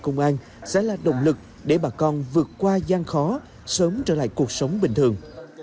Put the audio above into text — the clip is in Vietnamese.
ngoài sẽ là động lực để bà con vượt qua gian khó sớm trở lại cuộc sống bình thường